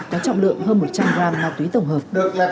có trọng lượng hơn một trăm linh gram ma túy tổng hợp